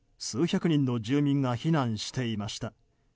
数百人の住民が避難していました。